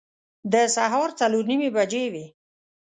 د سهار څلور نیمې بجې وې.